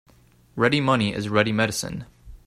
Ready money is ready medicine.